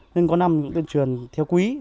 nên có năm cũng tuyên truyền theo quý